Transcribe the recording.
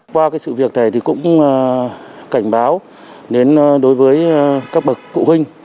qua cái sự việc này thì cũng cảnh báo đến đối với các bậc cụ huynh